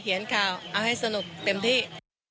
ข่าวเอาให้สนุกเต็มที่